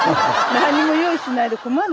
何も用意しないで困る